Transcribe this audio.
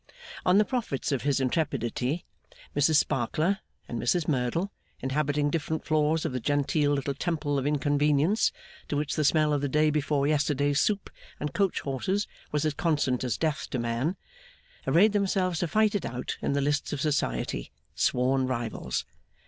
On the profits of his intrepidity, Mrs Sparkler and Mrs Merdle, inhabiting different floors of the genteel little temple of inconvenience to which the smell of the day before yesterday's soup and coach horses was as constant as Death to man, arrayed themselves to fight it out in the lists of Society, sworn rivals.